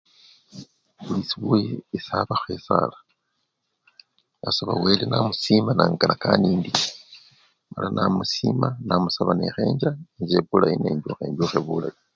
khwi! usi! esabakho esaala esaba wele nasima nengana kanindile mala namusima namusaba nekhenja enjje bulayi nenjukha enjukhe bulayi.